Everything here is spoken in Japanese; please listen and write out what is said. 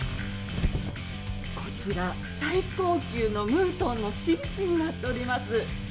こちら、最高級のムートンのシーツになっております。